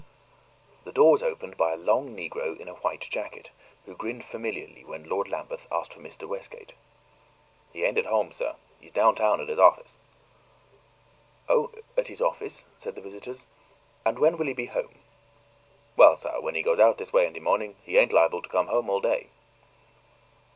The door was opened by a long Negro in a white jacket, who grinned familiarly when Lord Lambeth asked for Mr. Westgate. "He ain't at home, sah; he's downtown at his o'fice." "Oh, at his office?" said the visitors. "And when will he be at home?" "Well, sah, when he goes out dis way in de mo'ning, he ain't liable to come home all day."